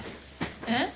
えっ？